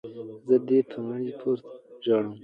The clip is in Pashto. ـ زه دې په مړي پورې ژاړم،